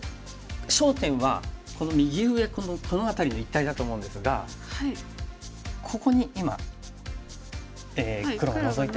焦点はこの右上この辺りの一帯だと思うんですがここに今黒がノゾいて。